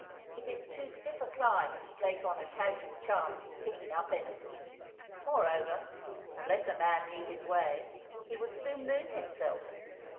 It is too stiff a climb to take on a casual chance of picking up anything; moreover, unless a man knew his way, he would soon lose himself.